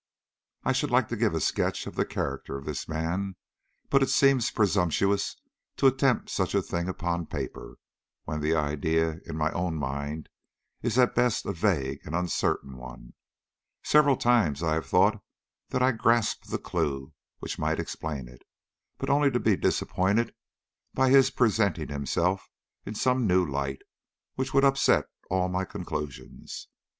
I should like to give a sketch of the character of this man, but it seems presumptuous to attempt such a thing upon paper, when the idea in my own mind is at best a vague and uncertain one. Several times I have thought that I grasped the clue which might explain it, but only to be disappointed by his presenting himself in some new light which would upset all my conclusions.